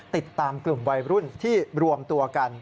ติดตามกลุ่มวัยรุ่นที่รวมตัวกัน